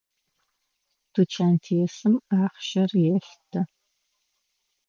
Тучантесым ахъщэхэр елъытэ.